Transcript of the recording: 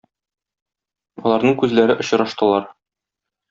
Аларның күзләре очраштылар.